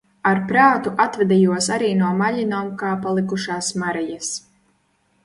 Ar prātu atvadījos arī no Maļinovkā palikušās Marijas.